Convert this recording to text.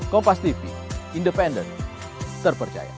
kompas tv independen terpercaya